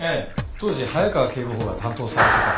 当時早川警部補が担当されてたとか。